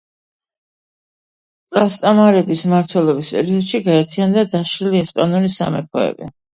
ტრასტამარების მმართველობის პერიოდში გაერთიანდა დაშლილი ესპანური სამეფოები.